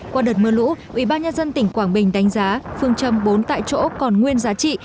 qua đợt mưa lũ ubnd tỉnh quảng bình đánh giá phương châm bốn tại chỗ còn nguyên giá trị